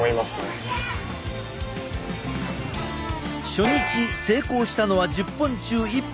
初日成功したのは１０本中１本だけ。